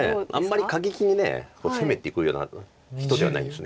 あんまり過激に攻めていくような人ではないです。